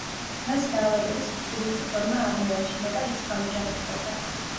მას დაავადების მსუბუქი ფორმა აღმოაჩნდა და ის გამოჯანმრთელდა.